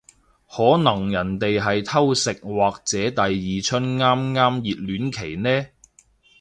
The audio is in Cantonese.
可能人哋係偷食或者第二春啱啱熱戀期呢